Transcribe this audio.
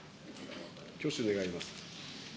挙手願います。